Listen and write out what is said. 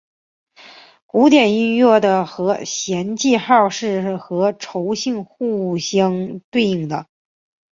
古典音乐的和弦记号是和调性互相对应的。